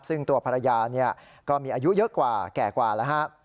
ซึ่งตัวภรรยาก็มีอายุเยอะกว่าแก่กว่าแล้วฮะ